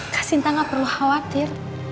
kak sinta gak perlu khawatir